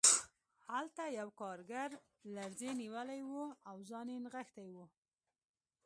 هلته یو کارګر لړزې نیولی و او ځان یې نغښتی و